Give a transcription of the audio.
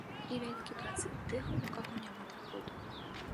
І вялікі працэнт тых, у каго няма даходу.